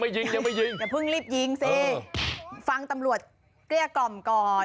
แต่พึ่งรีบยิงสิฟังตำรวจเกลี่ยก่ำก่อน